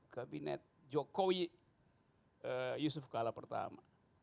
kabinet jokowi yusuf kala pertama